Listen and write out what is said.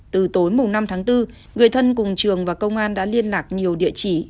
từ tối năm tháng bốn người thân cùng trường và công an đã liên lạc nhiều địa chỉ